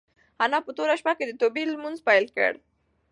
انا په توره شپه کې د توبې لمونځ پیل کړ.